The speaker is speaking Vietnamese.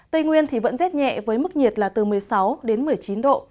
tây nguyên thì vẫn rét nhẹ với mức nhiệt là từ một mươi sáu đến một mươi chín độ